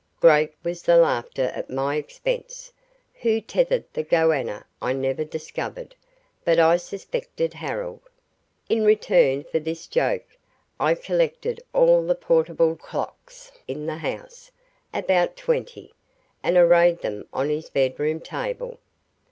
Great was the laughter at my expense. Who tethered the goanna I never discovered, but I suspected Harold. In return for this joke, I collected all the portable clocks in the house about twenty and arrayed them on his bedroom table.